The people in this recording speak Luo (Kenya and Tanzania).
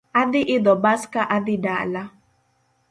Adhi idho bas ka adhi dala